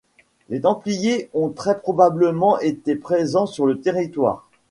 Les templiers ont très probablement été présents sur le territoire.